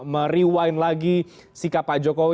merewind lagi sikap pak jokowi